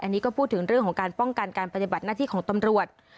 อันนี้ก็พูดถึงเรื่องของการป้องกันการปฏิบัติหน้าที่ของตำรวจ